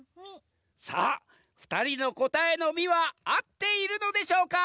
さあふたりのこたえのミはあっているのでしょうか？